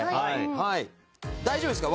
大丈夫ですか？